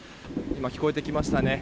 今、聞こえてきましたね。